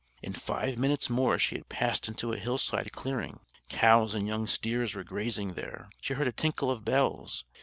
In five minutes more she had passed into a hillside clearing. Cows and young steers were grazing there. She heard a tinkle of bells.